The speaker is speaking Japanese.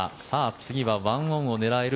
次は１オンを狙える